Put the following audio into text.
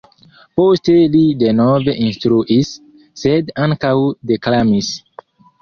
Poste li denove instruis, sed ankaŭ deklamis.